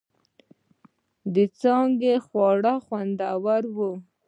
د څانگې خواړه خوندور و.